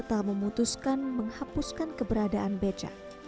dki jakarta memutuskan menghapuskan keberadaan becak